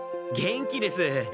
元気です！